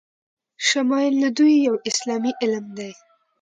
شمایل ندوی یو اسلامي علم ده